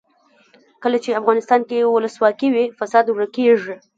کله چې افغانستان کې ولسواکي وي فساد ورک کیږي.